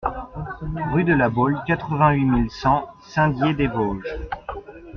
Rue de la Bolle, quatre-vingt-huit mille cent Saint-Dié-des-Vosges